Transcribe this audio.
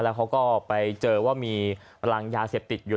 แล้วเขาก็ไปเจอว่ามีรังยาเสพติดอยู่